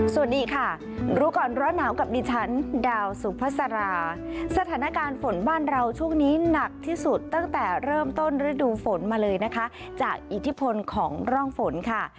สวัสดีค่ะรู้ก่อนร้อนหนาวกับดิฉันดาวสุภาษาราสถานการณ์ฝนบ้านเราช่วงนี้หนักที่สุดตั้งแต่เริ่มต้นฤดูฝนมาเลยนะคะจากอิทธิพลของร่องฝนค่ะ